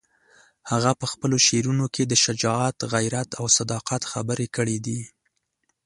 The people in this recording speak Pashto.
هغه په خپلو شعرونو کې د شجاعت، غیرت او صداقت خبرې کړې دي.